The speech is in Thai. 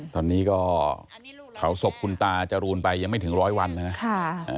ตอนนี้ก็เผาศพคุณตาจรูนไปยังไม่ถึงร้อยวันนะครับ